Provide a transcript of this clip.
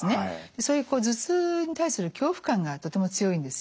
そういう頭痛に対する恐怖感がとても強いんですよ。